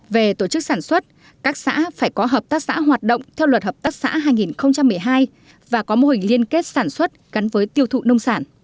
về tổ chức sản xuất các xã phải có hợp tác xã hoạt động theo luật hợp tác xã hai nghìn một mươi hai và có mô hình liên kết sản xuất gắn với tiêu thụ nông sản